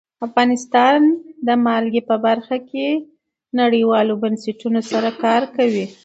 افغانستان د نمک په برخه کې نړیوالو بنسټونو سره کار کوي.